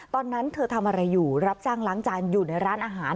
ตอนนั้นเธอทำอะไรอยู่รับจ้างล้างจานอยู่ในร้านอาหาร